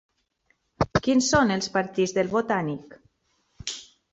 Quins són els partits del Botànic?